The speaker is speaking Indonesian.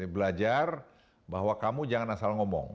belajar bahwa kamu jangan asal ngomong